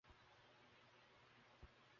একটা চাপা অথচ দ্রুত শব্দ যে বেড়েই চলেছে।